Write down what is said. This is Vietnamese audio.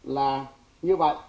là như vậy